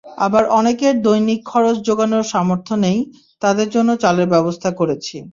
আবার অনেকের দৈনিক খরচ জোগানোর সামর্থ্য নেই, তাঁদের জন্য চালের ব্যবস্থা করেছি।